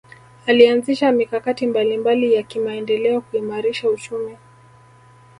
alianzisha mikakati mbalimbali ya kimaendeleo kuimarisha uchumi